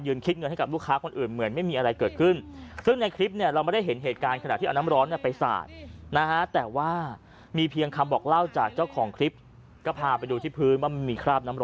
ยืนคลิกเงินให้กับลูกค้าคนอื่น